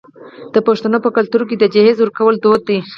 د پښتنو په کلتور کې د جهیز ورکول دود دی.